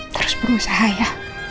terus berusaha ya